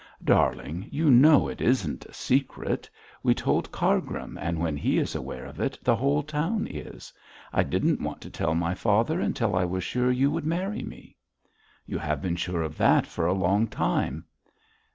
'Darling, you know it isn't a secret. We told Cargrim, and when he is aware of it the whole town is. I didn't want to tell my father until I was sure you would marry me.' 'You have been sure of that for a long time.'